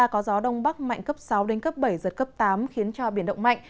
có gió đông bắc mạnh cấp sáu đến cấp bảy giật cấp tám khiến cho biển động mạnh